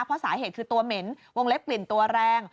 เพราะสาเหตุคือตัวเหม็นวงเล็บกลิ่นตัวแรง